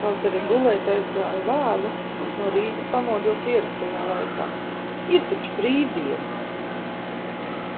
Kaut arī gulēt aizgāju vēlu, no rīta pamodos ierastajā laikā. Ir taču bīvdiena!